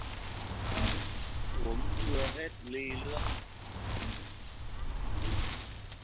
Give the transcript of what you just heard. Uống chưa hết ly nước